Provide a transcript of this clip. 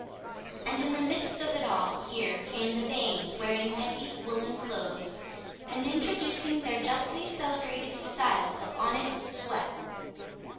And in the midst of it all here came the Danes wearing heavy woollen clothes and introducing their justly celebrated style of honest sweat.